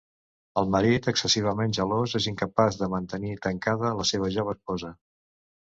El marit excessivament gelós és incapaç de mantenir tancada la seva jove esposa.